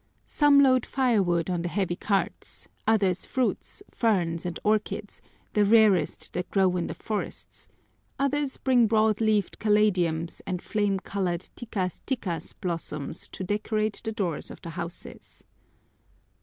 Some load firewood on the heavy carts, others fruits, ferns, and orchids, the rarest that grow in the forests, others bring broad leafed caladiums and flame colored tikas tikas blossoms to decorate the doors of the houses.